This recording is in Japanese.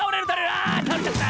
あたおれちゃった！